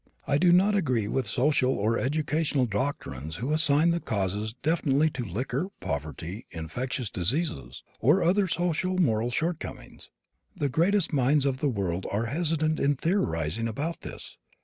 I do not agree with social or educational doctrinaires who assign the causes definitely to liquor, poverty, infectious diseases, or other social or moral shortcomings. The greatest minds of the world are hesitant in theorizing about this.